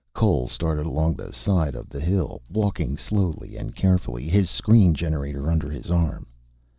Cole started along the side of the hill, walking slowly and carefully, his screen generator under his arm.